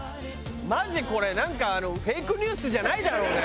マジでこれなんかあのフェイクニュースじゃないだろうね？